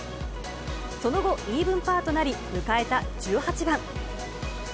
その後、イーブンパーとなり、迎えた１８番。